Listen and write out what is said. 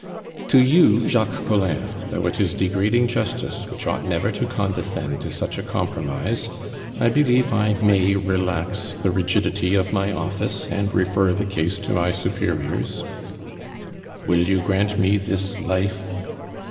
"To you, Jacques Collin, though it is degrading Justice, which ought never to condescend to such a compromise, I believe I may relax the rigidity of my office and refer the case to my superiors." "Will you grant me this life?"